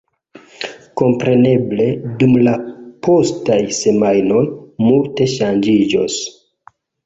Kompreneble dum la postaj semajnoj multe ŝanĝiĝos.